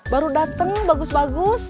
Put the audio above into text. baru dateng bagus bagus